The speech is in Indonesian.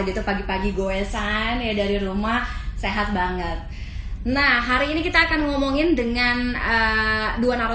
gitu pagi pagi goesan ya dari rumah sehat banget nah hari ini kita akan ngomongin dengan dua narasu